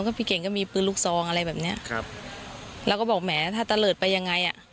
พี่เก่งก็มีปืนลูกซองอะไรแบบเนี้ยครับแล้วก็บอกแหมถ้าตะเลิศไปยังไงอ่ะ